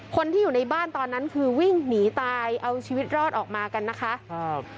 คนที่อยู่ในบ้านตอนนั้นคือวิ่งหนีตายเอาชีวิตรอดออกมากันนะคะครับ